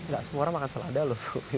gak semua orang makan selada loh